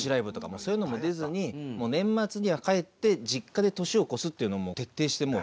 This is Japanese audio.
そういうのも出ずに年末には帰って実家で年を越すっていうのを徹底してもう。